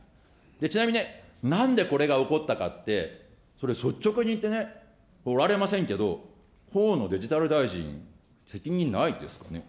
ちなみにね、なんでこれが起こったかって、率直に言ってね、おられませんけど、河野デジタル大臣、責任ないですかね。